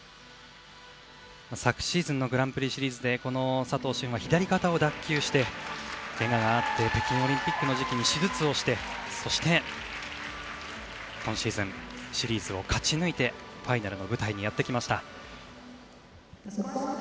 昨シーズンのグランプリシリーズで佐藤駿は左肩を脱臼してけががあって北京オリンピックの時期に手術をしてそして、今シーズンシリーズを勝ち抜いてファイナルの舞台にやってきました。